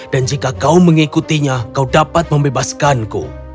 jika kau mengikutinya kau dapat membebaskanku